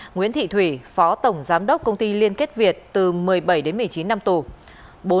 nguyễn thị thủy phó tổng giám đốc công ty liên kết việt từ một mươi bảy đến một mươi chín năm tù